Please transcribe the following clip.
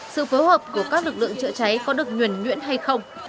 sự phối hợp của các lực lượng chữa cháy có được nhuẩn nhuyễn hay không